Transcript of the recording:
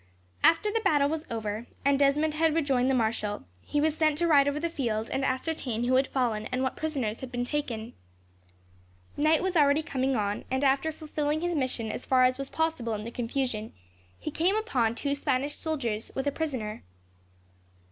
After the battle was over, and Desmond had rejoined the marshal, he was sent to ride over the field, and ascertain who had fallen and what prisoners had been taken. Night was already coming on, and, after fulfilling his mission as far as was possible in the confusion, he came upon two Spanish soldiers, with a prisoner.